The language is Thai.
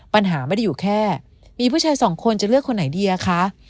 ปัญหาไม่ได้อยู่แค่มีผู้ชายสองคนจะเลือกคนไหนดีอะคะ